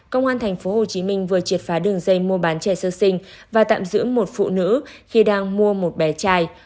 công an tp hcm vừa triệt phá đường dây mua bán trẻ sơ sinh và tạm giữ một phụ nữ khi đang mua một bé trai